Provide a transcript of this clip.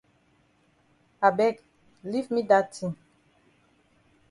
I beg leave me dat tin.